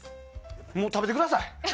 もう食べてください。